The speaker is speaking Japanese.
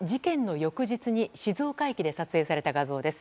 翌日に静岡駅で撮影された画像です。